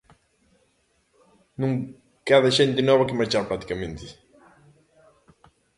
Non queda xente nova que marchar practicamente.